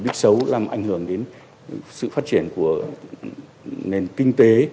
thông tin này cũng làm ảnh hưởng đến sự phát triển của nền kinh tế